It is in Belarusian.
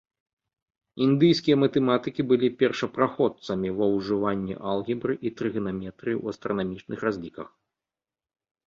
Індыйскія матэматыкі былі першапраходцамі ва ўжыванні алгебры і трыганаметрыі ў астранамічных разліках.